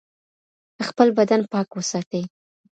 خپل بدن پاک وساتئ.